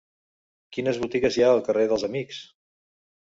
Quines botigues hi ha al carrer dels Amics?